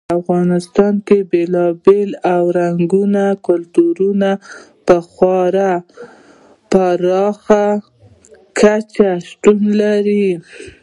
په افغانستان کې بېلابېل او رنګین کلتورونه په خورا پراخه کچه شتون لري.